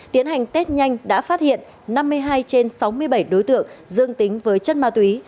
tiến hành test nhanh đã phát hiện năm mươi hai trên sáu mươi bảy đối tượng dương tính với chất ma túy